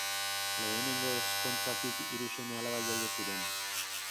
Lehenengo ezkontzatik hiru seme-alaba jaio ziren.